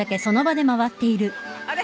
あれ？